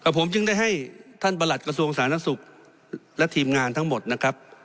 ผมจึงได้ให้ท่านประหลัดกระทรวงสาธารณสุขและทีมงานทั้งหมดนะครับ